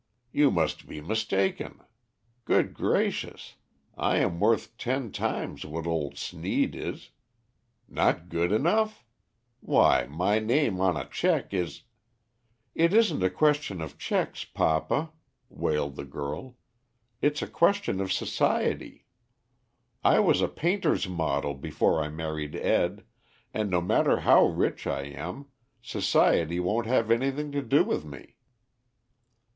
"You must be mistaken. Good gracious, I am worth ten times what old Sneed is. Not good enough? Why, my name on a cheque is " "It isn't a question of cheques, papa," wailed the girl; "it's a question of society. I was a painter's model before I married Ed., and, no matter how rich I am, society won't have anything to do with me."